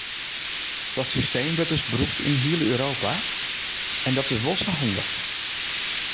Dat systeem wurdt dus brûkt yn hiel Europa, en dat is wol sa handich.